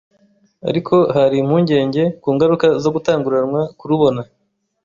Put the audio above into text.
Ariko hari impungenge ku ngaruka zo gutanguranwa kurubona.